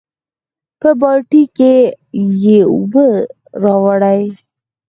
پۀ بالټي کښې ئې اوبۀ راوړې ـ